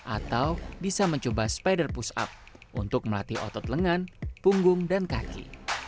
atau bisa mencoba spider push up untuk melatih otot lengan punggung dan kaki